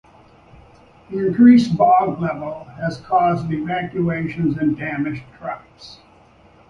The increased vog level has caused evacuations and damaged crops.